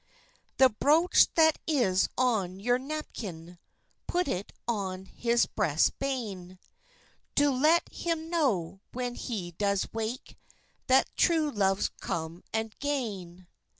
"The broach that is on your napkin, Put it on his breast bane, To let him know, when he does wake, That's true love's come and gane.